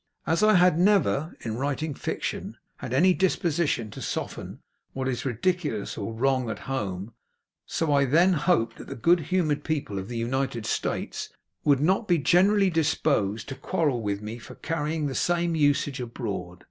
As I had never, in writing fiction, had any disposition to soften what is ridiculous or wrong at home, so I then hoped that the good humored people of the United States would not be generally disposed to quarrel with me for carrying the same usage abroad.